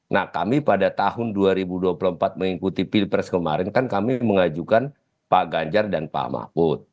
nah kami pada tahun dua ribu dua puluh empat mengikuti pilpres kemarin kan kami mengajukan pak ganjar dan pak mahfud